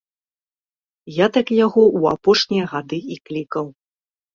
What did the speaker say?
Я так яго ў апошнія гады і клікаў.